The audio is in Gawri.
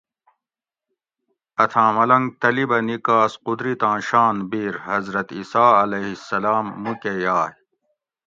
اتھاں ملنگ طلِبہ نِکاس قُدرتاں شان بیر حضرت عیسٰی علیہ السلام مُکہ یائ